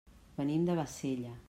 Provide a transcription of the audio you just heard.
Venim de Bassella.